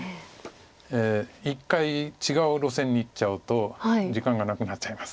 一回違う路線にいっちゃうと時間がなくなっちゃいます。